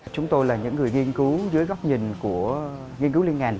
chúng tôi là những người nghiên cứu dưới góc nhìn của nghiên cứu liên ngành